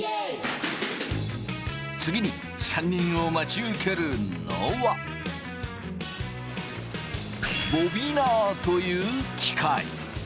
次に３人を待ち受けるのはボビナーという機械。